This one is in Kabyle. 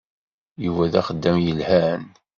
Yuba d axeddam yelhan.